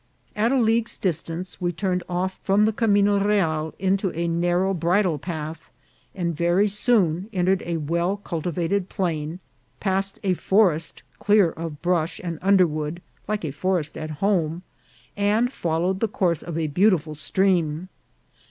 At a league's distance we turned off from the camino real into a narrow bridle path, and very soon entered a well cul tivated plain, passed a forest clear of brush and under wood, like a forest at home, and followed the course of a beautiful stream.